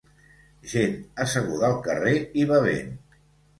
Gent asseguda al carrer i bevent.